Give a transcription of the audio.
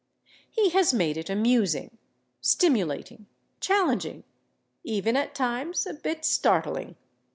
He has made it amusing, stimulating, challenging, even, at times, a bit startling.